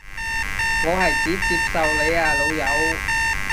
我係指接受你啊老友